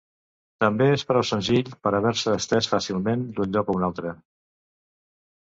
També és prou senzill per haver-se estès fàcilment d'un lloc a un altre.